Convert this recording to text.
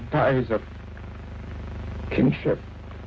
ความสร้างล้อม